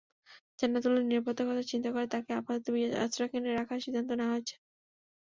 জান্নাতুলের নিরাপত্তার কথা চিন্তা করে তাকে আপাতত আশ্রয়কেন্দ্রে রাখার সিদ্ধান্ত নেওয়া হয়েছে।